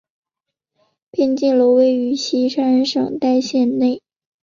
边靖楼位于山西省代县城内。